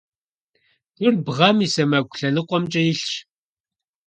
Гур бгъэм и сэмэгу лъэныкъумкӀэ илъщ.